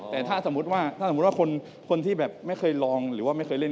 แต่ถ้าสมมุติว่าคนที่ไม่เคยลองหรือไม่เคยเล่น